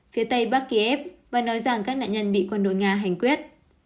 phía tây bắc kiev và nói rằng các nạn nhân bị quân đội nga hành quyết